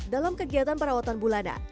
dalam kegiatan perawatan bulanan